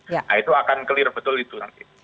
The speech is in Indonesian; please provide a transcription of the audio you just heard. nah itu akan clear betul itu nanti